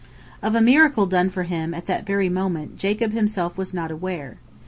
Of a miracle done for him at that very moment Jacob himself was not aware.